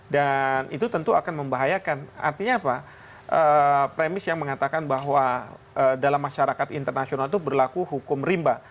dan itu tentu akan membahayakan artinya apa premis yang mengatakan bahwa dalam masyarakat internasional itu berlaku hukum rimba